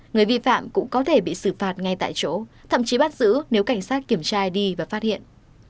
người vi phạm cũng có thể bị xử phạt ngay tại chỗ thậm chí bắt giữ nếu cảnh sát kiểm tra đi và phát hiện